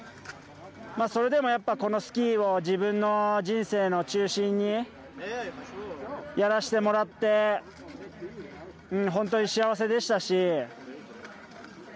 それでも、やっぱりこのスキーを自分の人生の中心にやらせてもらって本当に幸せでしたし。